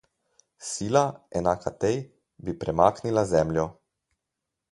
Sila, enaka tej, bi premaknila Zemljo.